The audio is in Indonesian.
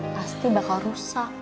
pasti bakal rusak